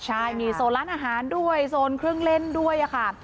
ใช่มีโซนร้านอาหารด้วยโซนเครื่องเล่นด้วยค่ะ